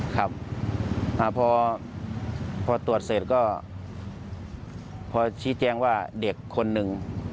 ครับพอตรวจเสร็จก็พอชี้แจ้งว่าเด็กคนหนึ่ง